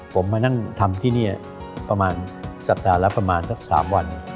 ผมมานั่งทำที่นี่ประมาณสัปดาห์ละประมาณสัก๓วัน